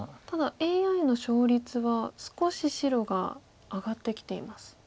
ただＡＩの勝率は少し白が上がってきています。